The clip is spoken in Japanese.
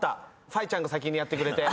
ファイちゃんが先にやってくれて。